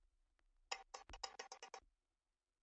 紫缨乳菀是菊科紫菀属的植物。